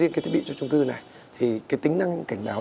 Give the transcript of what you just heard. cái thiết bị cho trung cư này thì cái tính năng cảnh báo